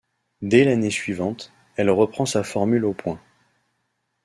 Dès l'année suivante, elle reprend sa formule aux points.